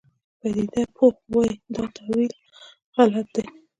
پدیده پوه وایي دا تاویل غلط دی.